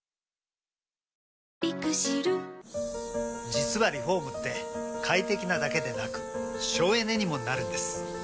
実はリフォームって快適なだけでなく省エネにもなるんです。